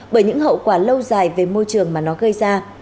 bởi những hậu quả lâu dài về môi trường mà nó gây ra